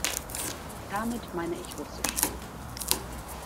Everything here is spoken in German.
Damit meine ich Russisch.